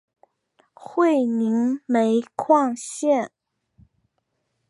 会宁煤矿线